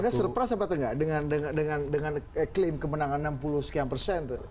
anda surprise apa nggak dengan klaim kemenangan enam puluh sekian persen